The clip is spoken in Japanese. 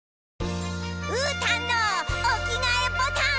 うーたんのおきがえボタン。